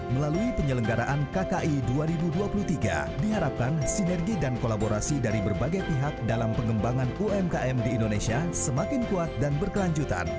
melalui penyelenggaraan kki dua ribu dua puluh tiga diharapkan sinergi dan kolaborasi dari berbagai pihak dalam pengembangan umkm di indonesia semakin kuat dan berkelanjutan